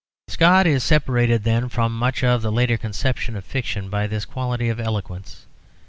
Scott is separated, then, from much of the later conception of fiction by this quality of eloquence.